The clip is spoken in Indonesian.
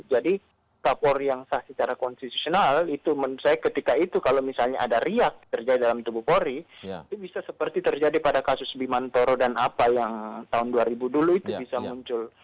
jadi kapolri yang sah secara konstitusional itu menurut saya ketika itu kalau misalnya ada riak terjadi dalam tubuh polri itu bisa seperti terjadi pada kasus bimantoro dan apa yang tahun dua ribu dulu itu bisa muncul